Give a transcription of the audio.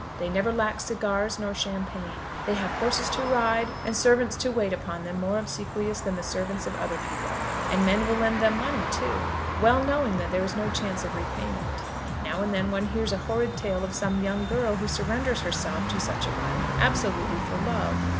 They never lack cigars nor champagne. They have horses to ride, and servants to wait upon them more obsequious than the servants of other people. And men will lend them money too, well knowing that there is no chance of repayment. Now and then one hears a horrid tale of some young girl who surrenders herself to such a one, absolutely for love!